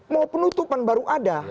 mau penutupan baru ada